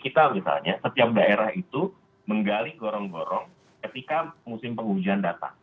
kita misalnya setiap daerah itu menggali gorong gorong ketika musim penghujan datang